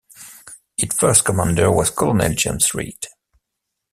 Its first commander was Colonel James Reed.